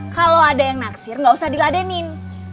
kalau ada yang naksir nggak usah diladenin